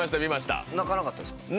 泣かなかったですか？